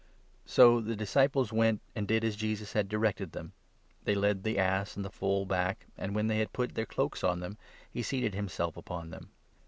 ' So the disciples went and did as Jesus had directed them. 6 They led the ass and the foal back, and, when they had put 7 their cloaks on them, he seated himself upon them.